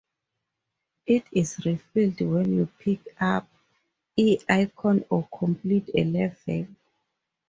It is refilled when you pick up "E" icons or complete a level.